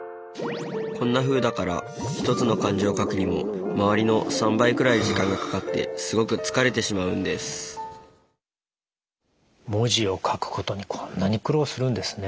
こんなふうだから１つの漢字を書くにも周りの３倍くらい時間がかかってすごく疲れてしまうんです文字を書くことにこんなに苦労するんですね。